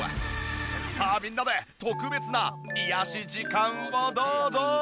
さあみんなで特別な癒やし時間をどうぞ。